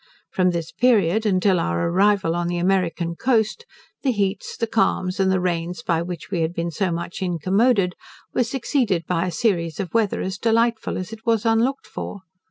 From this period, until our arrival on the American coast, the heats, the calms, and the rains by which we had been so much incommoded, were succeeded by a series of weather as delightful as it was unlooked for.